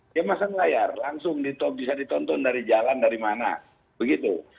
dia masang layar langsung bisa ditonton dari jalan dari mana begitu